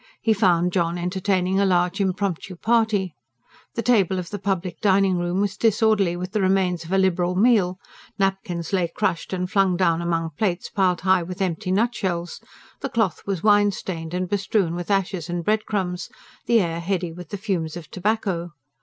He found John entertaining a large impromptu party. The table of the public dining room was disorderly with the remains of a liberal meal; napkins lay crushed and flung down among plates piled high with empty nutshells; the cloth was wine stained, and bestrewn with ashes and breadcrumbs, the air heady with the fumes of tobacco.